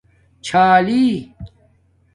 چھالی